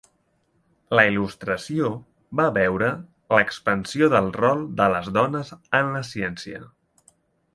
La Il·lustració va veure l'expansió del rol de les dones en la ciència.